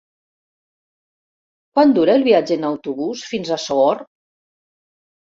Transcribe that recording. Quant dura el viatge en autobús fins a Sogorb?